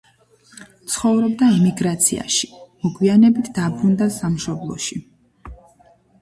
ცხოვრობდა ემიგრაციაში, მოგვიანებით დაბრუნდა სამშობლოში.